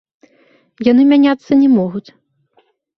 Яны мяняцца не могуць.